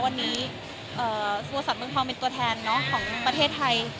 วันนี้ส่วนสรรค์เบื้องพร้อมเป็นตัวแทนเนอะของประเทศไทย